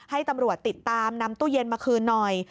ให้ตำรวจติดตามนำตู้เย็นมาคืนหน่อย